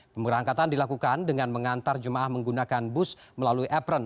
pemberangkatan dilakukan dengan mengantar jemaah menggunakan bus melalui apron